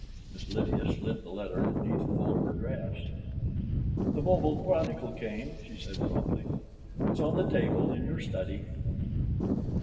Miss Lydia slid the letter beneath a fold of her dress. "The Mobile Chronicle came," she said promptly. "It's on the table in your study."